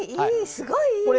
すごいいいそれ。